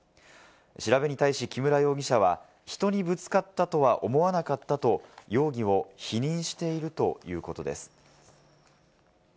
調べに対し木村容疑者は人にぶつかったとは思わなかったと容疑を否認しているということです。